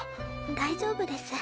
大丈夫です。